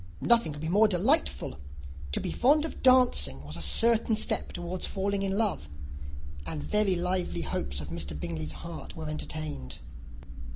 Nothing could be more delightful! To be fond of dancing was a certain step towards falling in love; and very lively hopes of Mr. Bingley's heart were entertained.